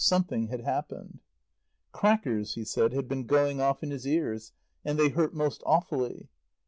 Something had happened. Crackers, he said, had been going off in his ears, and they hurt most awfully.